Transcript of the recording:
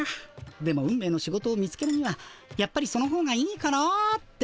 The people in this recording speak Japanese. でも運命の仕事を見つけるにはやっぱりそのほうがいいかなあって。